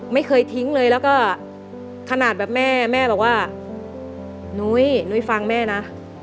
ไม่เคยทิ้งเลยแล้วก็ขนาดแบบแม่แม่บอกว่านุ้ยนุ้ยฟังแม่นะ